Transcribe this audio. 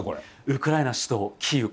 ウクライナ首都キーウ。